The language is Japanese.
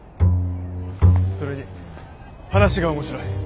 それに話が面白い。